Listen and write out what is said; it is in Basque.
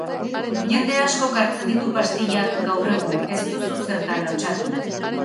Jende askok hartzen ditu pastillak gaur egun, ez duzu zertan lotsatu..